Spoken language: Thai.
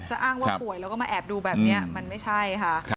อ้างว่าป่วยแล้วก็มาแอบดูแบบนี้มันไม่ใช่ค่ะ